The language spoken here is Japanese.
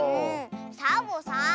サボさん